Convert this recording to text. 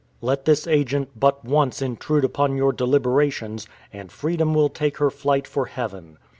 Let this agent but once intrude upon your deliberations, and Freedom will take her flight for heaven.